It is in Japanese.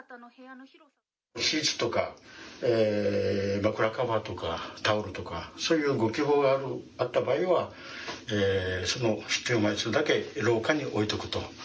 シーツとか枕カバーとかタオルとか、そういうご希望があった場合は、その必要な枚数だけ廊下に置いとくと。